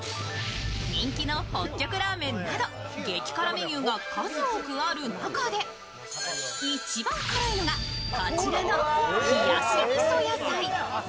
人気の北極ラーメンなど激辛メニューが数多くある中で一番辛いのがこちらの冷し味噌やさい。